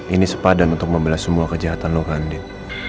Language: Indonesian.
ini sepadan untuk membele semua kejahatan lo ke andin